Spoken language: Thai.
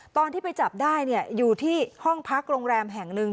ตอนที่ไปจับได้อยู่ที่ห้องพักโรงแรมแห่งหนึ่ง